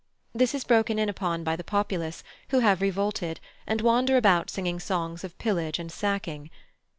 This is broken in upon by the populace, who have revolted, and wander about singing songs of pillage and sacking.